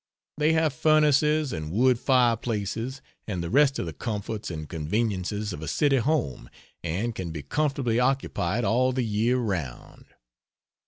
They have furnaces and wood fireplaces, and the rest of the comforts and conveniences of a city home, and can be comfortably occupied all the year round.